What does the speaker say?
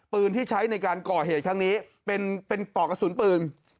ปืนที่ใช้ในการก่อเหตุครั้งนี้เป็นปอกกระสุนปืน